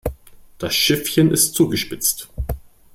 Das Schiffchen ist zugespitzt.